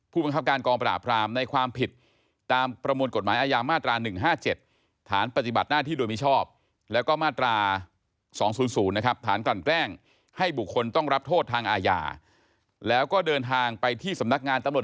ผู้บังคับการกองประดาบพรามในความผิด